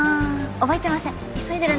覚えてません。